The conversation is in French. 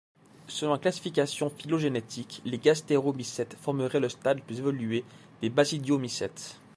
Selon la classification phylogénétique, les gastéromycètes formeraient le stade le plus évolué des basidiomycètes.